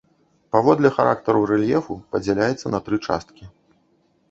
Паводле характару рэльефу падзяляецца на тры часткі.